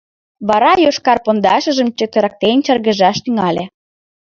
Вара йошкар пондашыжым чытырыктен чаргыжаш тӱҥале.